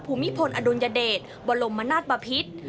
ภูมิพลอดุลยเดชบรมนาศบพิษ